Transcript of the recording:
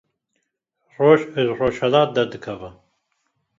Roj li rojhilat derdikeve